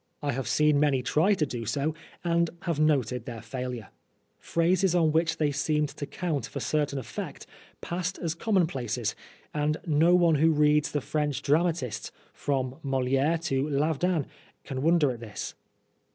I have seen many try to do so, and have noted their failure. Phrases on which they seemed to count for certain effect passed as commonplaces, and no one who reads the French dramatists, from Moliere to Lavedan, can wonder at this.